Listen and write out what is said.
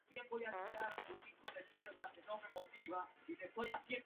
Se trata de la segunda ficción producida por Sky Italia tras "Quo vadis, baby?